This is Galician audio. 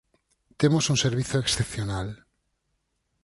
Temos un servizo excepcional.